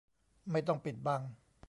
ไม่ต้องปิดบัง